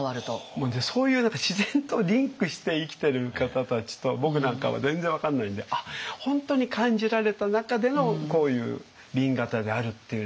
もうねそういう自然とリンクして生きてる方たちと僕なんかは全然分かんないんで本当に感じられた中でのこういう紅型であるっていう。